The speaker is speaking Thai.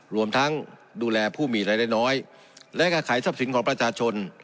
รวมทั้งดูแลผู้มีรายได้น้อยและแก้ไขทรัพย์สินของประชาชน